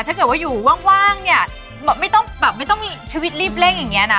ถ้าเกิดว่าอยู่ว่างเนี่ยไม่ต้องมีชีวิตรีบเร่งอย่างเงี้ยนะ